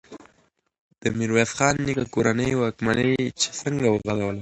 د ميرويس خان نيکه کورنۍ واکمني څنګه وغځوله؟